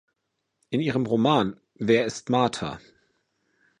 In ihrem Roman "Wer ist Martha?